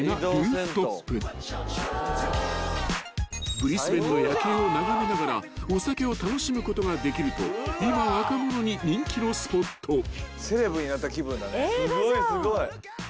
［ブリスベンの夜景を眺めながらお酒を楽しむことができると今若者に人気のスポット］え！